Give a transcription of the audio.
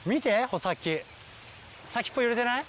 先っぽ揺れてない？